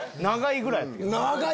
長いぐらい⁉